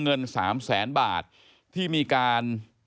เงิน๓แสนบาทที่มีการ